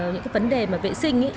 những cái vấn đề mà vệ sinh